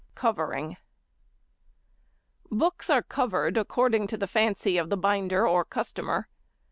COVERING. Books are covered according to the fancy of the binder or customer.